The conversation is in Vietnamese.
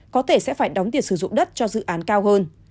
có thể sẽ phải đóng tiền sử dụng đất cho dự án cao hơn